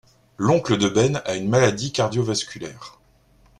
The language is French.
L’oncle de Ben a une maladie cardiovasculaire.